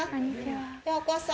ようこそ。